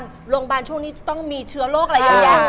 โรงพยาบาลช่วงนี้จะต้องมีเชื้อโรคอะไรเยอะแยะ